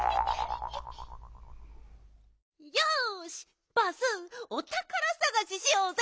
よしバースおたからさがししようぜ！